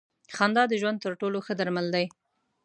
خندا د ژوند تر ټولو ښه درمل دی.